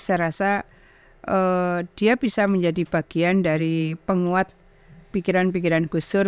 saya rasa dia bisa menjadi bagian dari penguat pikiran pikiran gus dur